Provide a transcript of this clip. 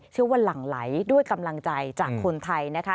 ชื่อว่าหลั่งไหลด้วยกำลังใจจากคนไทยนะคะ